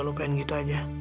jika kamu ingin begitu saja